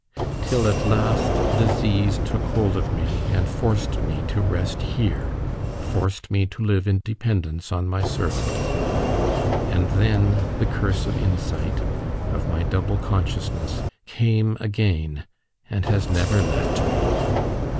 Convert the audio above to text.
Till at last disease took hold of me and forced me to rest here forced me to live in dependence on my servants. And then the curse of insight of my double consciousness, came again, and has never left me.